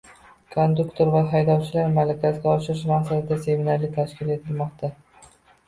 Konduktor va haydovchilar malakasini oshirish maqsadida seminarlar tashkil etilmoqda